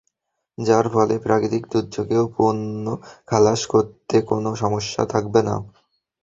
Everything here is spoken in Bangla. যার ফলে প্রাকৃতিক দুর্যোগেও পণ্য খালাস করতে কোনো সমস্যা থাকবে না।